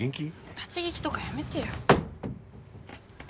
立ち聞きとかやめてよ。